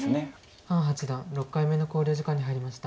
潘八段６回目の考慮時間に入りました。